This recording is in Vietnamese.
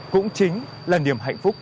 cũng chính là niềm hạnh phúc